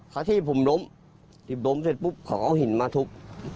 เขาที่ผมล้มที่ล้มเสร็จปุ๊บเขาเอาหินมาทุบ